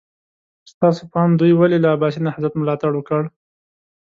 ستاسو په اند دوی ولې له عباسي نهضت ملاتړ وکړ؟